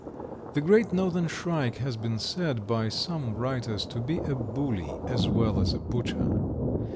The Great Northern Shrike has been said by some writers to be a bully as well as a butcher.